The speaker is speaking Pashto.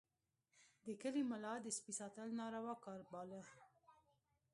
د کلي ملا د سپي ساتل ناروا کار باله.